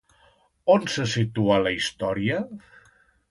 On se situa la història?